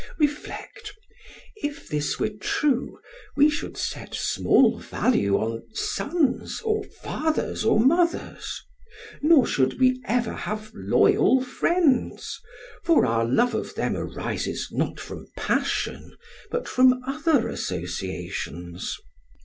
reflect: if this were true, we should set small value on sons, or fathers, or mothers; nor should we ever have loyal friends, for our love of them arises not from passion, but from other associations.